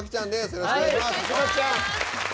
よろしくお願いします。